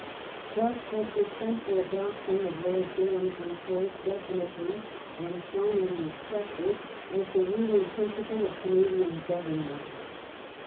Thus was the central doctrine of Lord Durham's Report definitely and finally accepted as the ruling principle of Canadian Government.